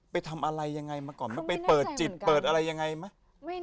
ไปทำอะไรยังไงมาก่อนไปเปิดจิตเปิดอะไรยังไงมาก่อนไม่แน่ใจเหมือนกัน